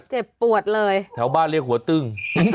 เจ็บปวดเลยแถวบ้านเรียกหัวตึ้ง